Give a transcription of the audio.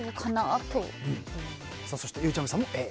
そして、ゆうちゃみさんもＡ。